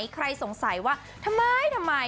ใครสงสัยว่าทำไมทำไม